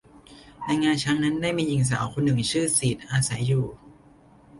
ในงาช้างนั้นได้มีหญิงสาวคนหนึ่งชื่อสีดอาศัยอยู่